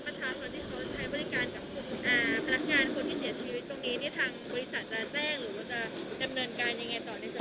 ที่ทางบริษัทจะแจ้งหรือว่าจะจำเนินการยังไงต่อในสมัคร